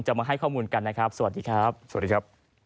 จะมาให้ข้อมูลกันนะครับสวัสดีครับ